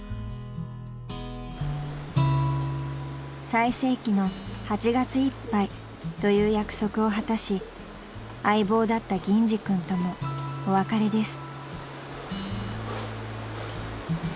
［最盛期の８月いっぱいという約束を果たし相棒だった銀二くんともお別れです］